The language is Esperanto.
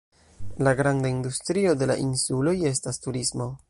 La granda industrio de la insuloj estas turismo.